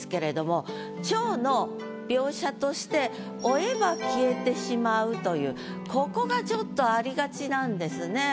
追えば消えてしまうというここがちょっとありがちなんですね。